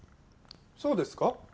そうですか？